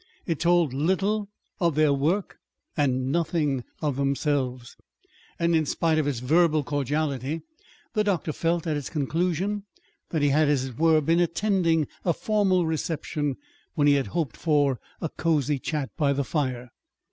It told little of their work, and nothing of themselves. And, in spite of its verbal cordiality, the doctor felt, at its conclusion, that he had, as it were, been attending a formal reception when he had hoped for a cozy chat by the fire.